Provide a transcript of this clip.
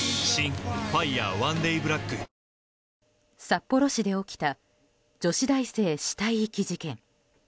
札幌市で起きた女子大生死体遺棄事件。